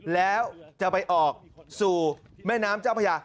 แล้วจะไปออกสู่แม่น้ำเจ้าพญา